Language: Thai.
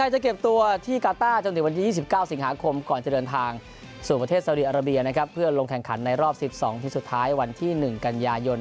และก็ฝากถึงครอบครัวครับสำคัญที่สุดเลย